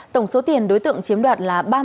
tổng số tiền đối tượng chiếm đoạt là